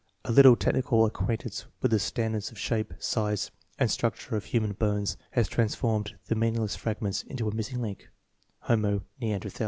A little technical acquaintance with the standards of shape, size, and structure of human bones has transformed the meaningless fragments into a "missing link" Homo neanderihalensis.